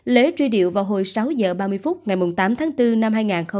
lễ truy điệu vào hồi sáu h ba mươi phút ngày tám tháng bốn năm hai nghìn hai mươi